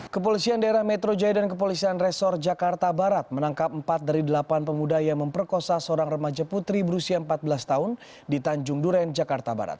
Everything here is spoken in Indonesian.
kepolisian daerah metro jaya dan kepolisian resor jakarta barat menangkap empat dari delapan pemuda yang memperkosa seorang remaja putri berusia empat belas tahun di tanjung duren jakarta barat